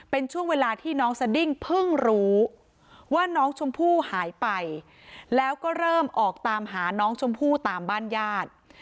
เป็นช่วงเวลาที่น้องสดิ้งเพิ่งรู้ว่าน้องชมพู่หายไปแล้วก็เริ่มออกตามหาน้องชมพู่ตามบ้านญาติ